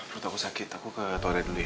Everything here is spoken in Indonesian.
perut aku sakit aku ke toilet dulu ya